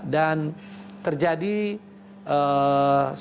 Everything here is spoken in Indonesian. dan terjadi sesuatu yang dapat mengucapkan